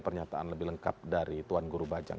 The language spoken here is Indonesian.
pernyataan lebih lengkap dari tuan guru bajang